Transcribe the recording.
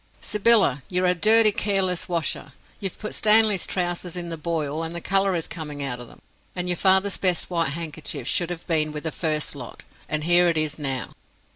"Sybylla, you are a dirty careless washer. You've put Stanley's trousers in the boil and the colour is coming out of them, and your father's best white handkerchief should have been with the first lot, and here it is now."